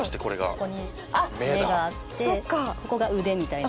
ここに目があってここが腕みたいな。